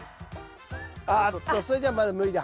あっとそれじゃあまだ無理だ。